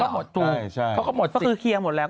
เขาก็หมดสิทธิ์เขาก็คือเคียงหมดแล้ว